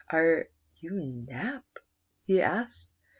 *' Are you Nap .^" he asked.